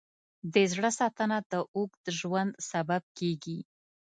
د زړه ساتنه د اوږد ژوند سبب کېږي.